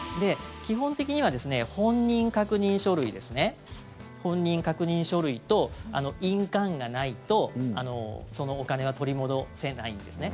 基本的には本人確認書類と印鑑がないとそのお金は取り戻せないんですね。